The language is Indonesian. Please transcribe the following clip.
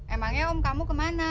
emangnya om kamu kemana